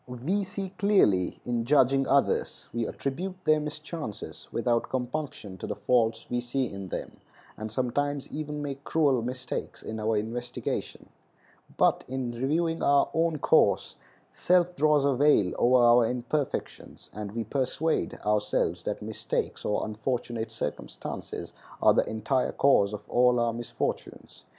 We see clearly in judging others. We attribute their mischances without compunction to the faults we see in them, and sometimes even make cruel mistakes in our investigation; but in reviewing our own course self draws a veil over our imperfections, and we persuade ourselves that mistakes or unfortunate circumstances are the entire cause of all our misfortunes.